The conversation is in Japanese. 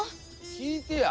聞いてや。